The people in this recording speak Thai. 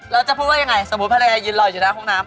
แล้วจะพูดว่ายังไงสมมุติภรรยายืนรออยู่หน้าห้องน้ำ